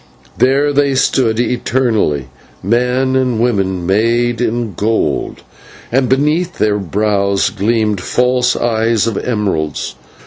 There they stood eternally, men and women made in gold, and beneath their brows gleamed false eyes of emeralds.